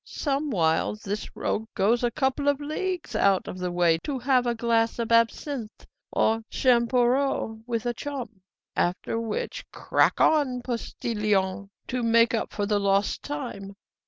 "Somewhiles this rogue goes a couple of leagues out of the way to have a glass of absinthe or champoreau with a chum. After which, 'Crack on, postillion!' to make up for the lost time.